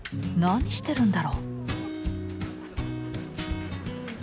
何してるんだろう？